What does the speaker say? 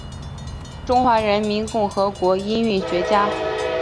中华人民共和国音韵学家。